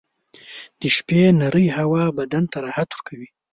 • د شپې نرۍ هوا بدن ته راحت ورکوي.